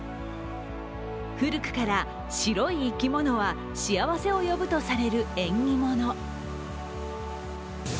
古くから白い生き物は幸せを呼ぶとされる縁起物。